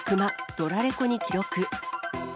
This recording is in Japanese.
ドラレコに記録。